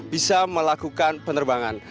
bisa melakukan penerbangan